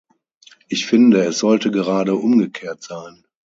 Ich finde, es sollte gerade umgekehrt sein.